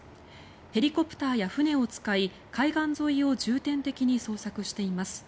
ヘリコプターや船を使い海岸沿いを重点的に捜索しています。